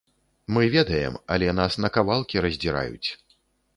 Мы ведаем, але нас на кавалкі раздзіраюць.